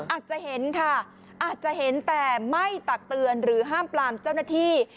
อาจจะเห็นค่ะอาจจะเห็นแต่ไม่ตักเตือนหรือห้ามปลามเจ้าหน้าที่